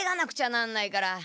なんないから。